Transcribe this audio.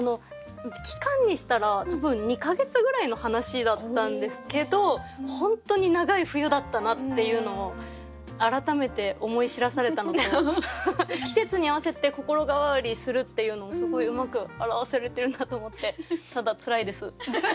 期間にしたら多分２か月ぐらいの話だったんですけど本当に永い冬だったなっていうのを改めて思い知らされたのと季節に合わせて心変わりするっていうのをすごいうまく表されてるなと思ってただツラいです。